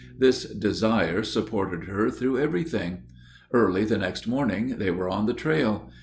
This desire supported her through everything. Early the next morning they were on the trail.